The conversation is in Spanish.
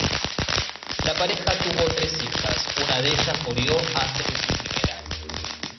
La pareja tuvo tres hijas, una de ellas murió antes de su primer año.